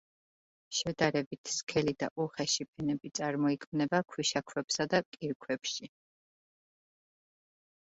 შედარებით სქელი და უხეში ფენები წარმოიქმნება ქვიშაქვებსა და კირქვებში.